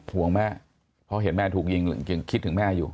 ห่วงแม่เพราะเห็นแม่ถูกยิงคิดถึงแม่อยู่